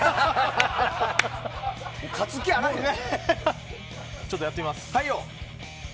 勝つ気、あらへんやん。